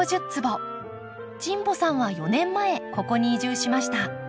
神保さんは４年前ここに移住しました。